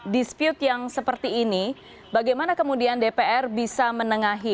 dispute yang seperti ini bagaimana kemudian dpr bisa menengahi